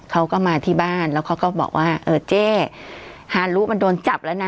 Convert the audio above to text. เขาก็มาที่บ้านแล้วเขาก็บอกว่าเออเจ๊ฮารุมันโดนจับแล้วนะ